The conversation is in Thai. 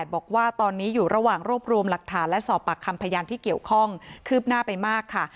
บอกว่าตอนนี้อยู่ระหว่างรวบรวมหลักฐานและสอบปากคำพยานที่เกี่ยวข้องคืบหน้าไปมากค่ะ